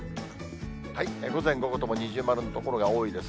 午前、午後とも二重丸の所が多いです。